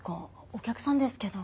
お客さんですけど。